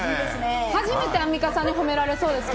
初めてアンミカさんに褒められそうです。